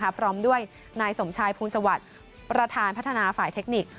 พร้อมด้วยนายสมชายภูมิสวัสดิ์ประธานพัฒนาฝ่ายเทคนิค